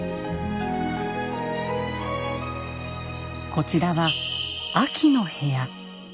こちらは秋の部屋。